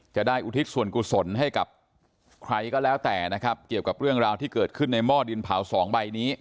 จะได้อุทิศส่วนกุศลให้กับใครก็แล้วแต่นะครับ